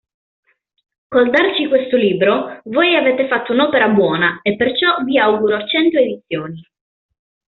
Col darci questo libro voi avete fatto un'opera buona e perciò vi auguro cento edizioni.